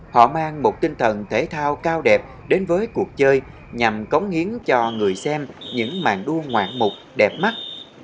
họ mang một tinh thần thể thao cao đẹp đến với cuộc chơi nhằm cống hiến cho người xem những màn đua ngoạn mục đẹp mắt